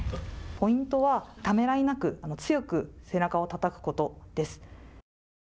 ポイントはためらいなく、強く背中をたたくことです。